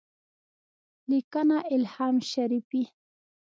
لیکنه الهام شریفي